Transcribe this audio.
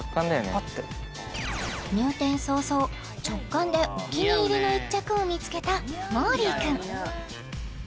パッて入店早々直感でお気に入りの一着を見つけたもーりー